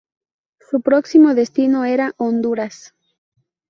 Su próximo destino era Honduras.